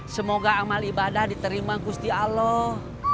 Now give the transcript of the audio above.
semoga amal ibadah diterima gusti allah